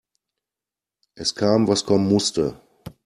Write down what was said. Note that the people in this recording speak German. Es kam, was kommen musste.